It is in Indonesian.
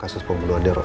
kasus pembunuhan deroi